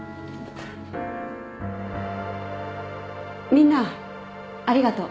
みんなありがとう。